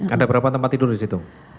ada berapa tempat tidur disitu